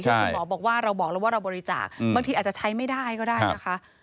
คุณหมอบอกว่าเราบอกแล้วว่าเราบริจาคบางทีอาจจะใช้ไม่ได้ก็ได้นะคะ